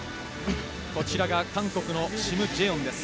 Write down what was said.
こちらが韓国のシム・ジェヨンです。